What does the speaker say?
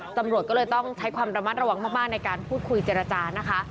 ตำรวจก็เลยต้องใช้ความระมัดระวังมากในการพูดคุยเจรจานะคะ